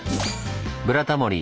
「ブラタモリ」